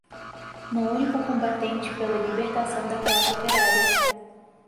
no único combatente pela libertação da classe operária